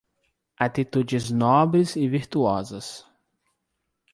Atitudes nobres e virtuosas